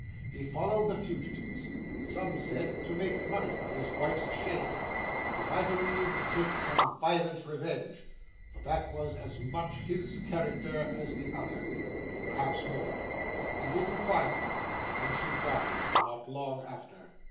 He followed the fugitives. Some said to make money of his wife's shame, but, I believe, to take some violent revenge, for that was as much his character as the other; perhaps more. He didn't find them, and she died not long after.